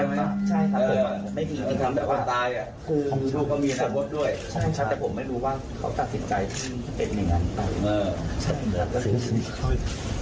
แต่ผมไม่รู้ว่าเขาตัดสินใจเป็นไงนะ